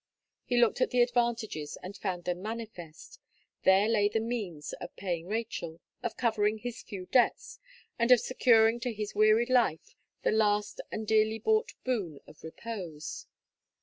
He looked at the advantages, and found them manifest; there lay the means of paying Rachel, of covering his few debts, and of securing to his wearied life the last and dearly bought boon of repose.